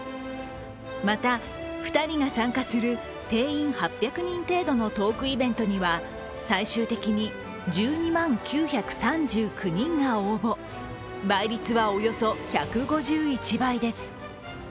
また、２人が参加する定員８００人程度のトークイベントには最終的に１２万９３９人が応募、倍率はおよそ１５１倍です。